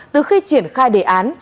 từ khi triển khai đề án